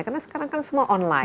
karena sekarang kan semua online